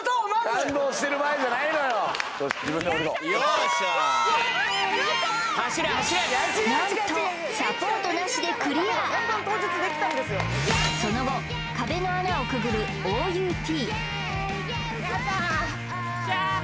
なんとサポートなしでクリアその後壁の穴をくぐるＯ−Ｕ−Ｔやっ